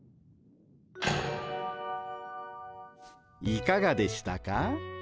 いかがでしたか？